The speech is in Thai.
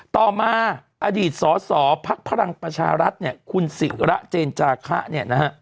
ต่อมาอดีตสอสอภักดิ์พระรังประชารัฐคุณศิระเจนจาคะ